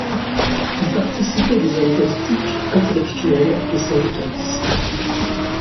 Y participaient des hommes politiques, intellectuels et syndicalistes.